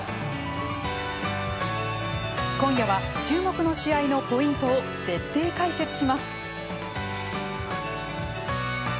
今夜は注目の試合のポイントを徹底解説します。